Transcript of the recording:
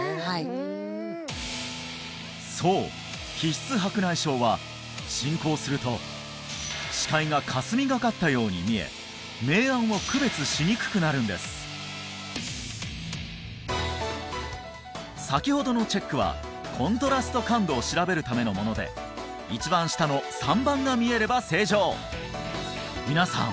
うんそう皮質白内障は進行すると視界がかすみがかったように見え明暗を区別しにくくなるんです先ほどのチェックはコントラスト感度を調べるためのもので一番下の３番が見えれば正常皆さん